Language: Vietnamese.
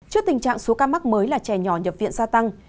trước tình trạng số ca mắc mới là trẻ nhỏ nhập viện gia tăng